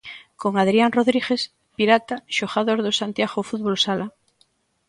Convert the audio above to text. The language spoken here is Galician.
Con Adrián Rodríguez, Pirata, xogador do Santiago Fútbol Sala.